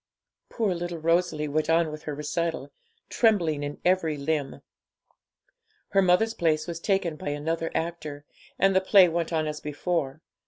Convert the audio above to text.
Poor little Rosalie went on with her recital, trembling in every limb. Her mother's place was taken by another actor, and the play went on as before.